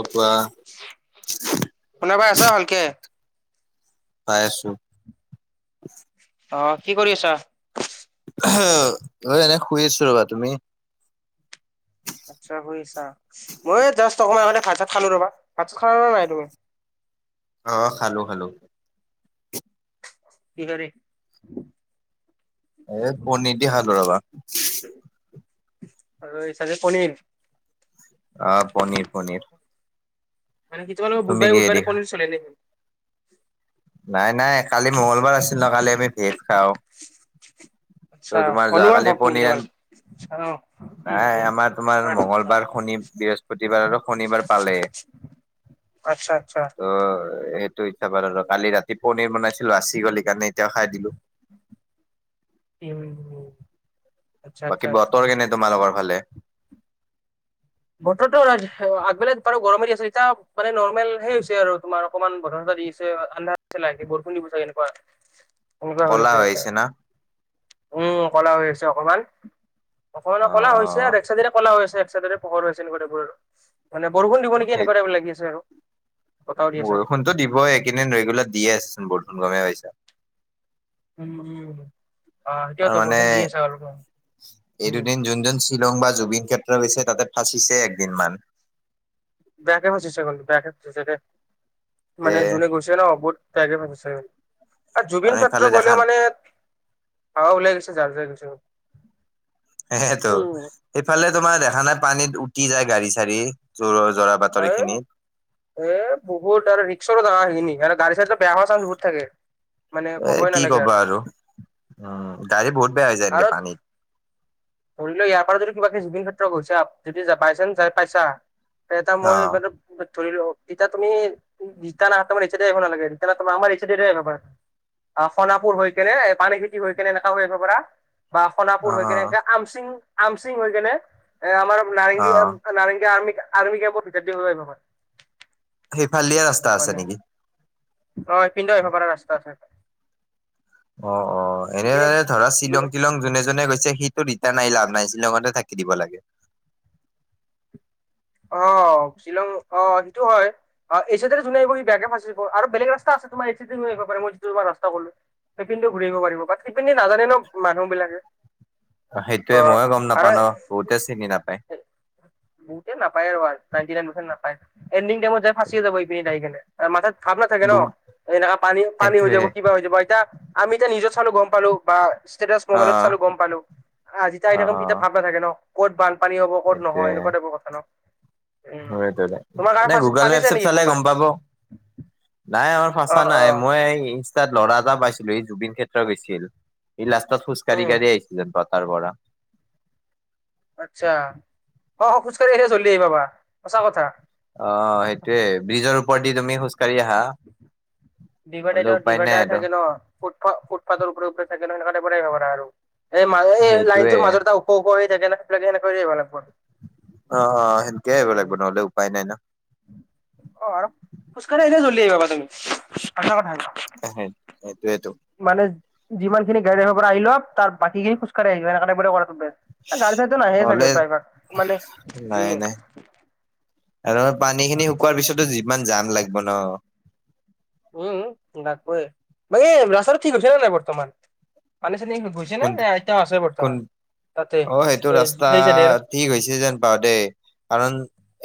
অঁ, কোৱা? শুনা পাই আছা ভালকে? পাই আছোঁ। অঁ, কি কৰি আছা? [unintelligible] মই এনে শুই আছো ৰ'বা, তুমি? আচ্ছা, শুই আছা। মই এই জাষ্ট অকমান আগতে ভাত- চাত খালো ৰ'বা। ভাত খালানে নাই তুমি? অ খালো খালো। কিহেদি। এই পনীৰ দি খালো ৰবা। আৰু এইছাইদে পনীৰ। অ পনীৰ পনীৰ। মানে তোমালোকৰ তুমি বুধবাৰে কিহেদি বুধবাৰে খা পনীৰ চলে নেকি? নাই নাই কালি মঙ্গলবাৰ আছিল ন, কালি আমি ভেজ খাওঁ। আচ্ছা ত' তোমাৰ হনুমান যোৱাকালি ভক্ত নিকী পনীৰ আন তোমাৰ? আহ, উম, নাই উম। [inaudible] আমাৰ তোমাৰ মঙ্গলবাৰ শনি বৃহস্পতিবাৰ আৰু শনিবাৰ পালে আচ্ছা, আচ্ছা। অ, সেইটো এতিয়া পাৰোঁ ৰহ আৰু কালি ৰাতি পনিৰ বনাইছিলো বাচি গ'ল সেইকাৰণে এতিয়াও খাই দিলো। উম। আচ্ছা, আচ্ছা, বাকী আচ্ছা। বতৰ কেনে তোমালোকৰ ফালে? বতটোৰ আগবেলা বাৰু গৰমে দি আছে, এতিয়া মানে নৰ্মেল হেই হৈছে আৰু তোমাৰ অকণমান বতা- চতা দি আছে। আন্ধাৰ হৈছে, লাহকে বৰষূণ দিব চাগে এনেকুৱা। এনেকুৱা ক'লা হৈছে হৈ এতিয়া, আহিছে না উম, ক'লা হৈ আছে অকমান। অ', কলা হৈছে অ'। আৰু এক চাইডেৰে কলা হৈছে, এক চাইডেৰে পোহৰ হৈছে এনেকুৱা টাইপৰ আৰু। মানে বৰষুণ দিব নেকি সেই এনেকুৱা টাইপ লাগি আছে আৰু বতাহও দি আছে। বৰষুণতো দিবই এইকেইডিন ৰেগুলাৰ দিয়ে আছে চোন বৰষুণ গমে পইছা। উ, উ, আহ, আৰু সেইতোৱেতো মানে বৰষূণ দিয়ে আছে এই আৰু। দুদিন যোনজন শ্বিলং বা জুবিন ক্ষেত্ৰ গৈছে তাতে ফাঁচিছে একদিনমান। বেয়াকে ফাচিছে কিন্তু বেয়াকে ফচিছে দেই তে মানে জোনে গৈছে। তাতে ন বহুত বেয়াকে ফাছে আৰু জুবিনক্ষেত্ৰ সেইফালে দেখা গ'লেও মানে। হাৱা ওলাই গৈছে, যাৰ, যাৰ গৈছে। সেইহেতো, উম, সেইফালে তোমাৰ দেখা নাই পানীত উটি যায়, গাড়ী- চাৰি জ, জৰা। বাটৰ হ, এইখিনিত এ, বহুত আৰু ৰিক্সৰ জগা সিনি আৰু গাড়ী-চাৰিটো বেয়া হোৱা চান্স বহুত থাকে। মানে এ, ক'বই কি নালাগে ক'বা আৰু উম, গাড়ী বহুত বেয়া হৈ যায় আৰু এনেকে পানীত। ধৰি লও ইয়াৰ পৰা যদি কিবা কে জুবিন ক্ষেত্ৰ গৈচা, যদি বাইচান্স যাই পাইছা তে, এটা অ মই। [unintelligible] তুমি [inaudible] [unintelligible] [unintelligible] অ সোণাপুৰ হৈ কেনে পানীখাইটি হৈ কেনে এনেকা হৈ আহিব পাৰা। বা সোণাপুৰ অ হৈ কেনে আমচিং আমচিং হৈ কেনে এ আমাৰ অ নাৰেংগী। নাৰেংগীয়া আৰ্ম আৰ্মি কেমপৰ ভিতৰদিহৈ আহিব পাৰে। সেইফালেদিয়ে ৰাস্তা আছে নেকি? অ এইপিনেদিও আহিব পাৰা ৰাস্তা আছে। অ অ এনে ধৰা সেইখিনি শ্বিলং তিলং যোনে যোনে গৈছে সি। ৰিটাৰ্ণ আহি লাভ নাই শ্বিলংতে থাকি দিব লাগে। অ, শ্বিলং অ, সেইটো হয়। অ, এইচাইদি যোনে আহিব সি বেয়াকে ফচিব বেলেগ ৰাস্তা আছে তোমাৰ এইছিদে লৈ আহিব পাৰে মই তোমাৰ যিটো ৰাস্তা কলো। হেইপিনেদিও ঘূৰিব পাৰিব বাত সেইপিনি দি নাজানে ন, মানুহ বিলাকে। অ, সেইটোয়ে ময়ে গম আৰু নাপাও ন, বহুতে চিনি নাপায়। বহুতে নাপায় আৰু নাইনটি নাইন পাৰ্চন নাপাই এন্দিং টাইমত যাই ফাঁচি যাব আইপিনে যাই কেনে। মাথাত ভাৱ ন থাকে ন, বহুত এনেকে পানী, পানী হৈ সেইটোয়ে যাব, কিবা হৈ যাব এতিয়া। আমি এতিয়া নিজত চালো গম পালো, বা ষ্টেটাছ অ মোবাইলত চালো গম পালো, অ অ যেতিয়া [unintelligible] থাকে ন ক'ত বানপানী হ'ব, ক'ত নহয়, এনেকুৱা টাইপৰ কথা ন। উম হয় তেওলে, তোমাৰ কাৰণে এনে গুগল মেপ ফাঁচিছে -চেপ নেকি চালে কোনোবাই গম পাব? নাই আমাৰ অ ফাচা নাই, অ মই এই ইনষ্টাত লৰা এটা পাইছিলো, ই জুবিন ক্ষেত্ৰ গৈছিল। সি লাষ্টত খোজকাঢ়ি উম কাঢ়ি আহিছিল [unintelligible] পৰা। আচ্ছা, অ অ খোজ কাঢ়ি আহি জল্ডী আহি পাবা সঁচা কথা। অ সেইটোয়ে, ব্ৰিজৰ ওপৰেদি তুমি খোজ কাঢ়ি আহা? হ'লে ডিভাইডেডৰ উপায় নাই ডিভাইডাৰ আৰু থাকে ন, ফুট ফা ফুটপাথৰ ওপৰে ওপৰে [unintelligible] আৰু। এই ম এই সেইটোয়ে লাইনটোৰ মাজৰ এটা ওখ ওখ হৈ থাকে [unintelligible] অ অ, সেনকে আহিব লাগিব নহ'লে উপায় নাই ন? অ আৰু খোজ কাঢ়ি আহিলে জল্ডি আহিব পাবা তুমি, সঁচা কথা এইটো। এহে সেইটোৱেতো। মানে যিমানখিনি গাড়ীত আহিব পৰা আহি লক তাৰ বাকী খিনি খোজকাঢ়ি [unintelligible] এ যাৰ গাড়ীটো নাহেই নহ'লে চাগে প্ৰায়ভাগ মানে নাই নাই ওম। আৰু পানীখিনি শুকোৱাৰ পিছতো যিমান জাম লাগিব ন উম লাগবই, বাকী এই ৰাস্তাটো ঠিক হৈছে নাই বৰ্তমান? পানী - চানী গৈছে নাই কোন নে এতিয়াও আছেই কোন বৰ্তমান তাতে অ সেইটো এই ৰাস্তা সেই চাইডে আৰু? ঠিক হৈছে যেন পাও দেই কাৰণ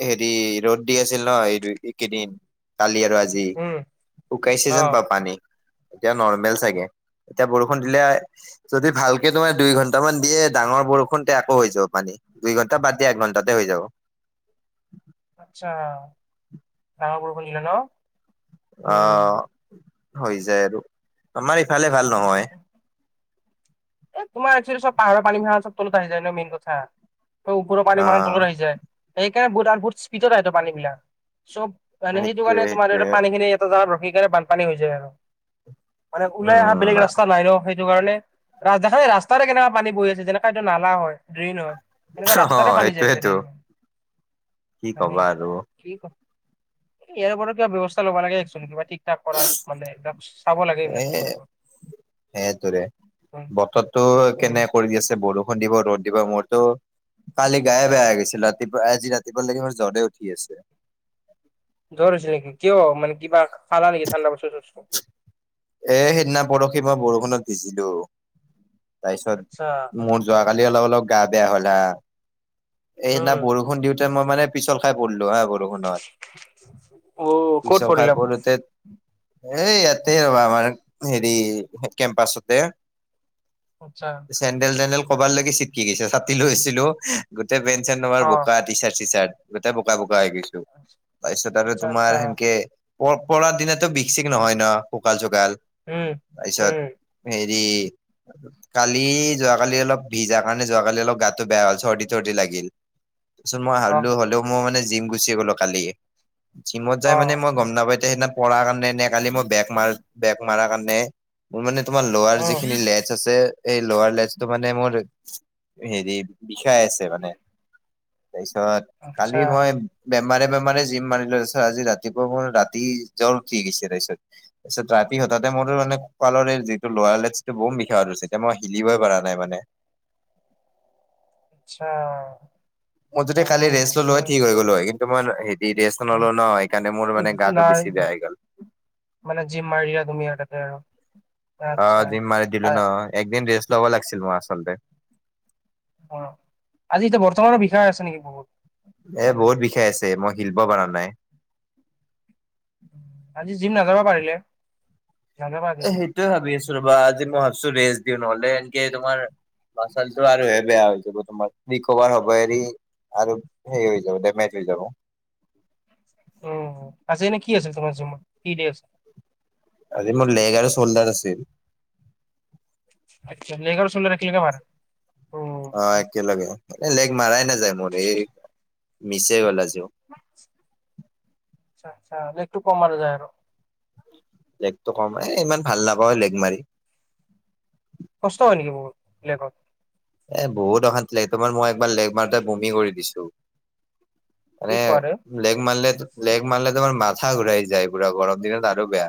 হেৰি ৰ'দ দি আছিল ন এই দুই এইকেইদিন। কালি আৰু আজি, উম শুকাইছে অ যেন‌ পাও পানী। এতিয়া নৰ্মেল চাগে এতিয়া বৰষুণ দিলে যদি ভালকে তোমাৰ দুই ঘণ্টামান দিয়ে ডাঙৰ বৰষুণ তে আকৌ হৈ যাব পানী। দুই ঘণ্টা বাদ দিয়া এক ঘণ্টাতে হৈ যাব। আচ্ছা, ডাঙৰ বৰষূণ দিলে ন? অ, উম হৈ যায় আৰু আমাৰ ইফালে ভাল নহয়। এ তোমাৰ [unintelligible] ব পাহাৰৰ পানীবিলাক চব তলত আহি যায় ন মেইন কথা, ত ওপৰৰ পানী অ মানে তলত আহি যায়। সেইকাৰণে বহুত [unintelligible] স্পীডত আহেটো পানীবিলাক, চব মানে সেইটো সেইটোৱে কাৰণে তোমাৰ সেইটোৱে আৰু পানীখিনি ত তাত ৰখি কাৰণে বানপানী হৈ যায় আৰু মানে ওলাই অহা উম বেলেগ ৰাস্তা নাই ন সেইটো কাৰণে আ দেখাই দে ৰাস্তাৰে কেনেকুৱা পানী পৰি আছে, যেনেকুৱা এইটো নালা হয় ড্ৰেইন হয় এনেকুৱা অ ৰাস্তাতে পানী যায় আছে সেইটোৱেতো দেখোন। কি কবা আৰু কি ক, ইয়াৰ ওপৰত কিবা ব্যৱস্থা ল'বা লাগে একচুৱেলি কিবা ঠিক ঠাক কৰাৰ মানে এইবিলাক চাব লাগে এইবিলাক এ বস্তুবোৰ। সেইটোৰে বতৰটো উম, কেনে কৰি দি আছে বৰ ষূণ দিব, ৰ'দ দিব, মোৰতো কালি গায়ে বেয়া হৈ গৈছিল ৰাতিপুৱা আজি ৰা ৰাতিপুৱালৈকে মোৰ জ্বৰতে উঠি আছে। জ্বৰ হৈছিল নেকি কিয় মানে কিবা খালা নেকি ঠাণ্ডা বস্তু - তস্তু? এ সেইদিনা বৰশি বা বৰষুণত ভিজিলো আচ্ছা তাৰপিছত মোৰ যোৱাকালি অলপ অলপ গা বেয়া হ'লা। এই সেইদিনা উম, বৰষুণ দিওঁতে মই মানে পিছল খাই পৰিলো হা বৰ লগত নহয়, অ' ক'ত নিশাও খাই পৰিলা? পুলতে এ ইয়াতে ৰবা আমাৰ হেৰি এ কেম্পাছতে। আচ্ছা। চেণ্ডেল - টেনডেল কৰবাত লাগি চিটকি গৈছে, ছাতি লৈছিলো। গোটেই পেন - চেন তোমাৰ অ' বোকা টি চাৰ্ট - চি চাৰ্ট। গোটেই বোকা বোকা হৈ গৈছো তাৰ পিছত আৰু আচ্ছা তোমাৰ আচ্ছা সেনকে পক পৰাৰ দিনতো বিষ - চিষ নহয় ন পুকা যোগাল উম। তাৰপিছত উম, হেৰি কালি যোৱাকালি অলপ ভিজা কাৰণে যোৱাকালি অলপ গাতটো বেয়া হল সৰ্দী চৰ্দি লাগিল পিছত মই অ' হলো হ'লেও মই মানে জিম গুচি গলো কালি। জিমত যাই মানে মই অ' গম নাপাইতি সেইদিনা পঢ়াৰ কাৰণে নে কালি মই বেগ মাৰ বেক মাৰাৰ কাৰণে মোৰ মানে তোমাৰ লৱাৰ উম, যিখিনি লেথ আছে। এই লাৰ লেছটো মানে মোৰ হেৰি বিষাই আছে মানে। তাৰ পিছত আচ্ছা কালি মই বেমাৰে বেমাৰে জিম মাৰিলোঁ চাৰ আজি ৰাতিপুৱাব মোৰ ৰাতি জ্বৰ উঠি গৈছে তাৰপিছত। পিছে দ্ৰাইপি হতাতে মোৰ,,, মানে ককালৰে যিটো লোৱাৰ কেছটো বৰ বিষ হৈছে আৰু এতিয়া মই হিলিবই পৰা নাই মানে। আচ্ছা। মই যদি কালি ৰেষ্ট অ' ললো হয় মানে ঠিক হৈ গ'লো হয়, কিন্তু মই হেৰি ৰেষ্ট নলো ন সেই কাৰণে মোৰ মানে গাটো নাই বেছি বেয়া হৈ গ'ল। মানে জিম মাৰিয়া তুমি ই তাতে আৰু। আচ্ছা। অঁ জিম মাৰি আ, দিলো ন একদিন ৰেষ্ট ল'ব লাগিছিল মই আচলতে। অঁ আজি এতিয়া বৰ্তমানৰ বিষয়া আছে নেকি বহুত। এ মানে বহুত বিষাই আছে মই হিলবো পৰা নাই। আজি জিম নাযাবা পাৰিলে নাযাবাআজি জিম। এইটো ভাবি আছো ৰবা আজি মই ভাবিছো ৰেষ্ট দিওঁ নহ'লে এনকে তোমাৰ মাচলটো আৰু বেয়া হৈ যাব তোমাৰ ৰিকভাৰ হব এৰি। আৰু সেই যদে মাৰিবলৈ যাব। [inaudible] উমঁ আজি এনে কি আছিল তোমাৰ জিমত কি ডে আছিল। আজি মোৰ লেগ আৰু চল্ডাৰ আছে। আচ্ছ মেৰিগোল বিস্কুট এটা দে। টিলিঙা মাত। অঁ একেলগে এ লেগ মাৰই নাযায় মোৰ এই মিচেই গল আজিও। আছা আ্ছা নেটটো কম যায় আৰু। লেগটো কম আহে এ ইমান ভাল নাপাওঁ লেগ মাৰি। কষ্ট হয় নেকি বহুত বলেগত। এ বহুত অশান্তি লাগে তোমাৰ মই একবাৰ লেকমাৰতে বমি কৰি দিছো। কি মানে কোৱা ৰে লেগ মানলে লেগ মাললে তোমাৰ মাৰ মাথা ঘূৰাই যায় পুৰা গৰম দিনত আৰু বেয়া।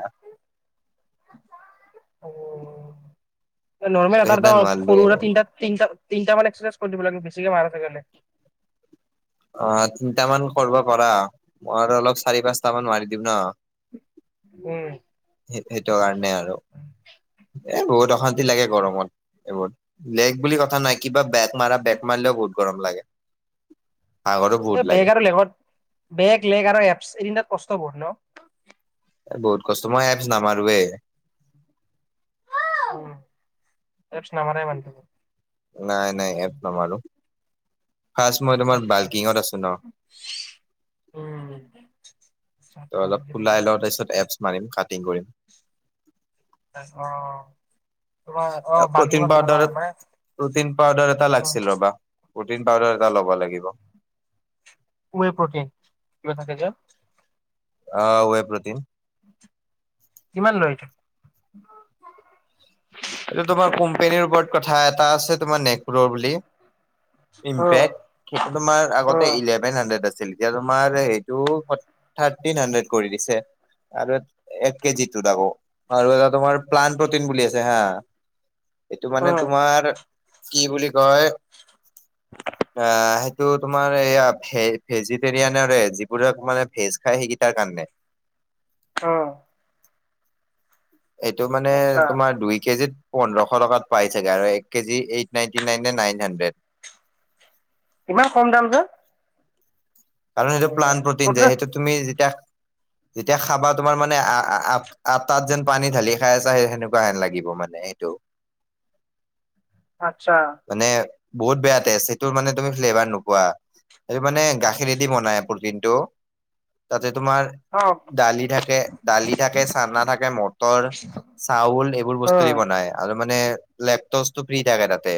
হব নৰ্মেল ত এটাৰ সেইদিনা সৰু সুৰা নোৱাৰিলোৱে তিনটা। তিনিটা তিনিট মান এক্ৰচাইজ কৰি দিৱ লাগিব বেছিকে মাৰাছে কাৰণে। অঁ তিনটামান কৰিব পাৰা মই আৰু অলপ চাৰি পাঁচটা মান মাৰি দিম ন। উমঁ! এই এইটো কাৰণে আৰু। এ বহুত অশান্তি লাগে উম। গৰমত এইবত লেক বুলি কথা নাই কিবা বেগ মাৰা বেক মাৰিলেও বহুত গৰম লাগে। ভাগৰো বহুত এই লাগে বেগ আৰু লেগত বেগ লেগ আৰু এপছ তিনিটা কষ্ট বহুত ন। এ বহুত কষ্ট মই এপছ নামাৰোৱে। উমঁ এফ নমাৰে মনটো নাই নাই এপ নামাৰো ফাৰ্ষট মই তোমাৰ বাল্কিঙত আছো ন। উমঁ! তো অলপ ওলাই লঙ তাৰপিছত এপছ মাৰিম কাটিং কৰিম। অঁ প্ৰটিন পাউদাৰত মানে প্ৰটিন পাউদাৰ এটা লাগিছিল ৰবা। প্ৰটিন পাউদাৰ এটা ল'ব লাগিব। [inaudible] প্ৰটিন কিবা থাকে যে। অ [inaudible] প্ৰ'টিন কিমান লৈ এইটো? এইটো তোমাৰ কোম্পানীৰ ওপৰত কথা এটা আছে তোমাৰ নাকপ্ৰ বুলি উম, ইম্পেক্ট সেইটো তোমাৰ আগতে উম, ইলেভেন হাড্ৰেড আছিল এতিয়া তোমাৰ এইটো থাৰ্টিন হাণ্ড্ৰেড কৰি দিছে। আৰু এক কেজি টো আকৌ আৰু এটা তোমাৰ প্লান প্ৰটিন বুলি আছে হা এইটো মানে উম, তোমাৰ কি বুলি কয় [inaudible] অ সেইটো তোমাৰ এইয়া ভে ভেজিটেৰিয়ানৰে যিবো মানে ভেজ খায় সেইকেইটাৰ কাৰণে। অ। এইটো মানে আচ্ছা তোমাৰ দুই কেজিত পোন্ধৰশ টকাত পাই চাগে আৰু এক কেজি এইট নাইনটি নাইন নে নাইন হাণ্ড্ৰেড। ইমান কম দাম যে? কাৰণ সেইটো প্লান প্ৰ'টিন যে সেইটো তুমি যেতিয়া যেতিয়া খাবা তোমাৰ মানে আ আ আটাত যেন পানী ঢালি খাই আছা সেই সেনেকুৱা হেন লাগিব মানে সেইটো। আচ্ছা মানে বহুত বেয়া টেষ্ট সেইটো মানে তুমি ফ্লেভাৰ নোপোৱা সেইটো মানে গাখীৰ গাখীৰৰে দি বনাই প্ৰ'টিনটো তাতে তোমাৰ। অ', দালি থাকে দালি থাকে চানা থাকে মটৰ। চাউল এইবোৰ বস্তু উম, দি বনাই। আৰু মানে লেকটচটো ফ্ৰী থাকে তাতে।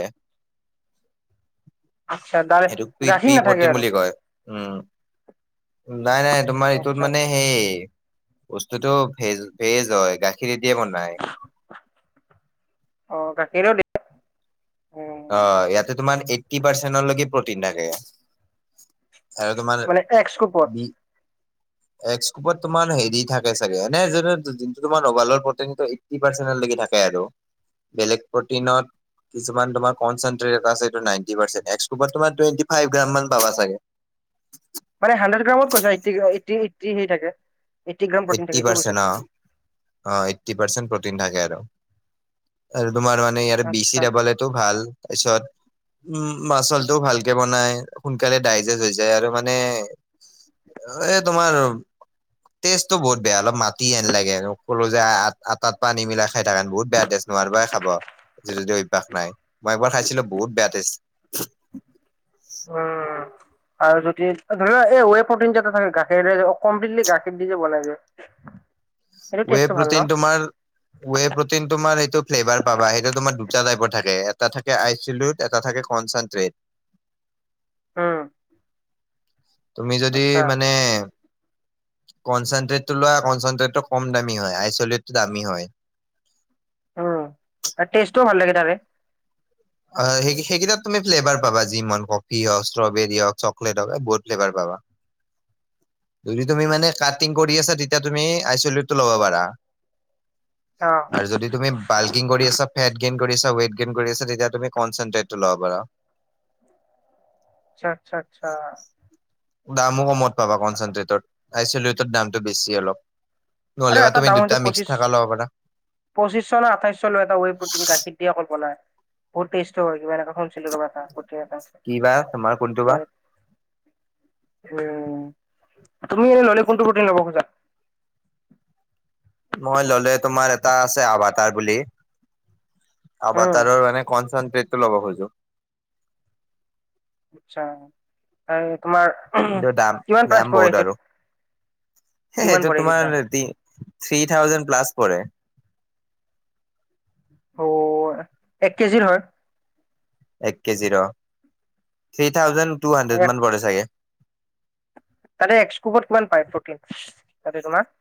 আচ্ছা দাৰে এইটো পি গাখীৰ পি নাথাকে প্ৰ'টিন আৰু বুলি কয়। উম নাই নাই তোমাৰ এইটোত আচ্ছা মানে আচ্ছা সেই বস্তুতটো ভেজ ভেজ হয় গাখীৰ দিয়ে বনাই। অ গাখীৰৰ দি অ উম, ইয়াতে তোমাৰ এইট্টি পাৰ্চেন্টলৈকে প্ৰটিন থাকে। আৰু তোমাৰ মানে এক স্কুপত বি [unintelligible] এক্সকোপত তোমাৰ হেৰি থাকে চাগে এনে যোন যোনটো তোমাৰ মোবাইলৰ প্ৰ'টিন এইটি পাৰ্চেন্ট থাকে আৰু বেলেগ প্ৰটিনত কিছুমান তোমাৰ, [inaudible] মানে হাড্ৰেড গ্ৰামত এইটি এইটি সেৰি থাকে এইটি গ্ৰাম প্ৰ'টিন এইট্টি থাকে ইটো পাৰ্চেন্ট কৈছা‌ অ তুমি। অ এইটটি পাৰ্চেন প্ৰ'টিন থাকে আৰু আৰু তোমাৰ মানে ইয়াৰে বি আচ্ছা চি টো ভাল তাৰপিছত উম মাচলটোও ভালকে বনাই সোনকালে ডাইজেষ্ট হৈ যায় আৰু মানে এ তোমাৰ টেষ্টটো বহুত বেয়া অলপ মাটি এনেকা লাগে ক'লো যে আটাত পানী মিলাই খাই থাকেন বহুত বেয়া টেষ্ট। নোৱাৰোবাই খাব যদি অভ্যাস নাই মই এবাৰ খাইছিলো বহুত বেয়া টেষ্ট। উম। আৰু যদি ধৰি এই ৱে প্ৰ'টিন যে থাকে গাখীৰৰে কমপ্লিটলি গাখীৰ দি যে বনাই যায়। [inaudible] ৱে প্ৰ'টিন তোমাৰ ৱে প্ৰটিন তোমাৰ সেইটো ফ্লেভাৰ পাবা সেইটো তোমাৰ দুটা টাইপৰ থাকে এটা থাকে আইচেলোট এটা থাকে কনচনট্ৰেট হুম। তুমি যদি মানে কনচেনট্ৰেটটো লোৱা কনচেনট্ৰেটটো কম দামী হয় আইচলেটটো দামী হয়। উ টেষ্টটো ভাল লাগে তাৰে। আ সেইকেইটাত তুমি ফ্লেভাৰ পাবা যিমান কফি হওক ষ্ট্ৰবেৰী হওক চকলেট হওক এই বহুত ফ্লেভাৰ পাবা। যদি তুমি মানে কাটিং কৰি আছা তেতিয়া তুমি আইচলিউটো ল'ব পাৰা। অ আৰু যদি তুমি বাল্কিং কৰি আছা ফেট গেইন কৰিছা ৱেইট গেইন কৰি আছা তেতিয়া তুমি কনচেনট্ৰেটটো ল'ব পাৰা। আচ্ছা আচ্ছা আচ্ছা। অ দামো কমত পাবা কনচেনট্ৰেট আইচটৰ দামটো বেছি অলপ। আৰু নহলেবা এটা তুমি দাম দুটা হৈছে মিক্স পঁচিশ থাকা ল'ব পাৰা। পঁচিশ ন আঠাইছশ লৈ এটা ৱ প্ৰিন গাখীৰ দিয়ে কল্পাই বহুত টেষ্ট হয় এ কি বা তোমাৰ কোনটো [unintelligible] বা? হয়। উম, তুমি ললে এনেই ললে কোনটো প্ৰটিন লব খোজা। মই ল'লে তোমাৰ এটা আছে আভ তাৰ বুলি। আবা উম তাৰৰ মানে কনচনট্ৰেটো ল'ব খোজো। আচ্ছা তাৰ তোমাৰ কিন্তু দাম কিমান প্ৰাইচ দাম পৰে বহুত এইটোত আৰু কিমান সেইটো পৰে এইটোত দাম তোমাৰ এটি থ্ৰী থাউজেণ্ড প্লাছ পৰে। অও এক কেজিৰ হয়? এক কেজিৰ অহ, থ্ৰী থাউজেণ্ড টু হাণ্ড্ৰেড মান পৰে চাগে। তাৰে এক্স কোবত কিমান পায় প্ৰটিন তাতে তোমাৰ?